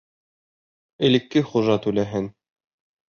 Элекке хужа түләһен